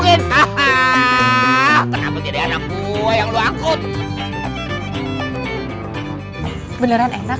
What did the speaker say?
kenapa jadi anak buah yang lu akut